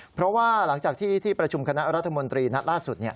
เพราะว่าหลังจากที่ที่ประชุมคณะรัฐมนตรีนัดล่าสุด